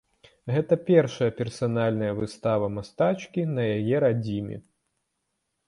Гэта першая персанальная выстава мастачкі на яе радзіме.